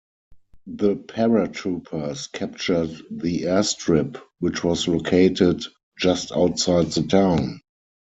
The paratroopers captured the airstrip, which was located just outside the town.